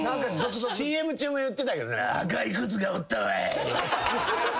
ＣＭ中も言ってたけど。